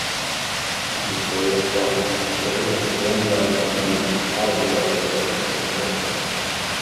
His Victoria Cross is displayed at the Glenbow Museum in Calgary, Alberta, Canada.